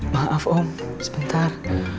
maaf om sebentar